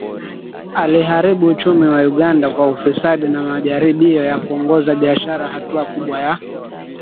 Aliharibu uchumi wa Uganda kwa ufisadi na majaribio ya kuongoza biashara Hatua kubwa ya